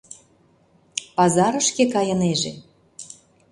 Пазарышке кайынеже.